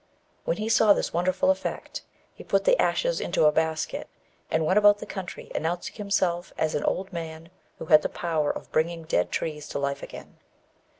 When he saw this wonderful effect, he put the ashes into a basket, and went about the country, announcing himself as an old man who had the power of bringing dead trees to life again.